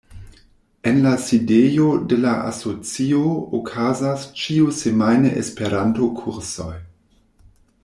En la sidejo de la Asocio okazas ĉiusemajne Esperanto-kursoj.